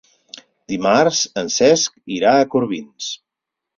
Dimarts en Cesc irà a Corbins.